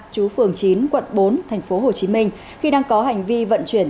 chú phường chín quận bốn thành phố hồ chí minh khi đang có hành vi vận chuyển